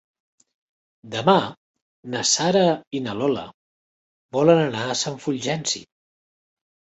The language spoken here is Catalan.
Demà na Sara i na Lola volen anar a Sant Fulgenci.